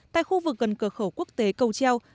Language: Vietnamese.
tại khu vực gần cửa khẩu quốc tế cầu treo